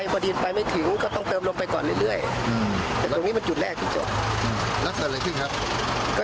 เบื้องต้นค่ะ